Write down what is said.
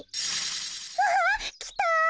わあきた！